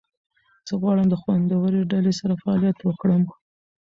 زه غواړم له خوندورې ډلې سره فعالیت وکړم.